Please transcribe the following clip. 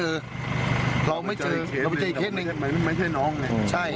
เราไม่เจออีกเคสหนึ่งไม่ใช่น้องเนี่ย